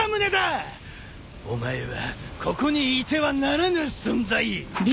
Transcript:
お前はここにいてはならぬ存在！